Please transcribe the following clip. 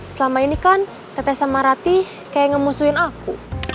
selama ini kan tete sama rati kayak ngemusuhin aku